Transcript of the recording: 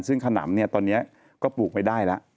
ซึ่งขนำเนี่ยตอนนี้ก็ปลูกไม่ได้แล้ว